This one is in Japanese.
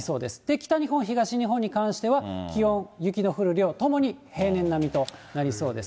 北日本、東日本に関しては、気温、雪の降る量ともに平年並みとなりそうです。